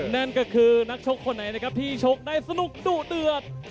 นั่นก็คือนักชกคนไหนนะครับที่ชกได้สนุกดุเดือด